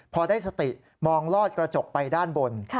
พอได้สติมองลอดกระจกไปด้านบน